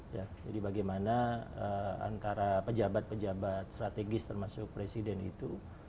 ya jadi bagaimana antara pejabat pejabat strategis termasuk presiden itu